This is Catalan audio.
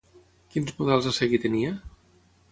Quins models a seguir tenia?